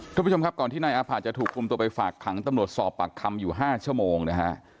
ทุกผู้ชมครับก่อนที่นายอาผะจะถูกคุมตัวไปฝากขังตำรวจสอบปากคำอยู่๕ชั่วโมงนะฮะ